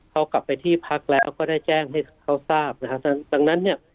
เขากลับไปที่พักแล้วก็ได้แจ้งให้เขาทราบนะฮะดังนั้นเนี่ย